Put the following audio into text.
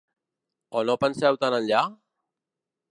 O no penseu tan enllà?